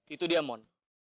itu dia mon